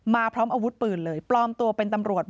พร้อมอาวุธปืนเลยปลอมตัวเป็นตำรวจ